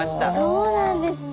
そうなんですね。